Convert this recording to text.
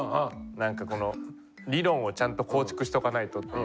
なんかこの理論をちゃんと構築しとかないとっていう。